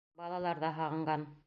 Балалар ҙа һағынған.